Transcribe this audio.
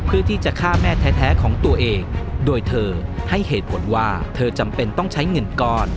เพื่อที่จะฆ่าแม่แท้ของตัวเองโดยเธอให้เหตุผลว่าเธอจำเป็นต้องใช้เงินก้อน